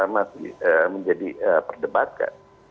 masih menjadi perdebatan